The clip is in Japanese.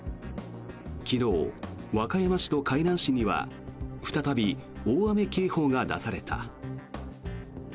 昨日、和歌山市と海南市には再び大雨警報が出された。